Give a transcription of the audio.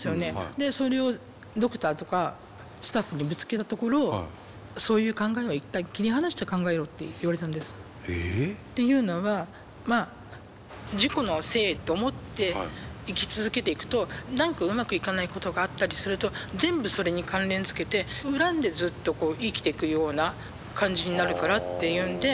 でそれをドクターとかスタッフにぶつけたところそういう考えは一旦切り離して考えろって言われたんです。え！？っていうのはまあ事故のせいと思って生き続けていくと何かうまくいかないことがあったりすると全部それに関連づけて恨んでずっと生きていくような感じになるからっていうんで。